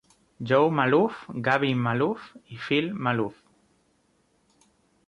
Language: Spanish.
Joe Maloof, Gavin Maloof y Phil Maloof.